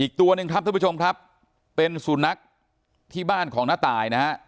ตัวหนึ่งครับท่านผู้ชมครับเป็นสุนัขที่บ้านของน้าตายนะฮะ